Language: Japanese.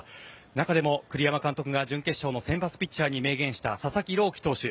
中でも栗山監督が準決勝の先発ピッチャーに明言した佐々木朗希投手。